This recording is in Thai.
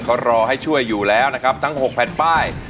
เขารอให้ช่วยอยู่แล้วนะครับทั้ง๖แผ่นป้าย